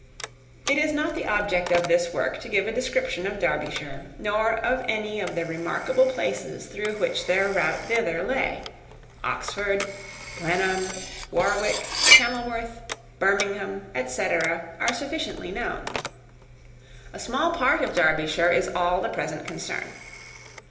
It is not the object of this work to give a description of Derbyshire, nor of any of the remarkable places through which their route thither lay Oxford, Blenheim, Warwick, Kenilworth, Birmingham, etc., are sufficiently known. A small part of Derbyshire is all the present concern.